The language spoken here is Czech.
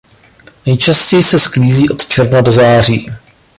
Nejčastěji se sklízí od června do září.